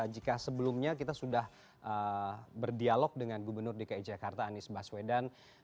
jika sebelumnya kita sudah berdialog dengan gubernur dki jakarta anies baswedan